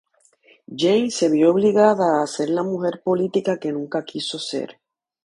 Jane se vio obligada a ser la mujer política que nunca quiso ser.